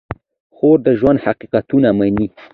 خور د ژوند حقیقتونه مني.